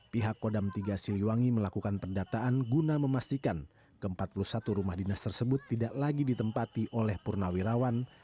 pihak kodam tiga siliwangi melakukan pendataan guna memastikan ke empat puluh satu rumah dinas tersebut tidak lagi ditempati oleh purnawirawan